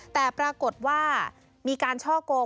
แต่ปรากฏว่ามีการช่อกง